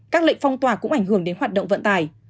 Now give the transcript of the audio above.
các lệnh phong tỏa cũng ảnh hưởng đến hoạt động vận tải